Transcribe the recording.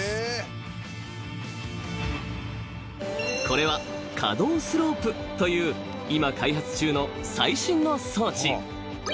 ［これは可動スロープという今開発中の最新の装置］